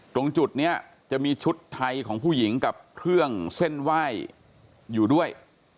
ตรงจุดนี้จะมีชุดไทยของผู้หญิงกับเครื่องเส้นไหว้อยู่ด้วย